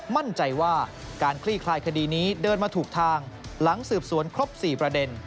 มั่นใจว่าการคลี่คลายคดีนี้เดินมาถูกทางหลังสืบสวนครบ๔ประเด็น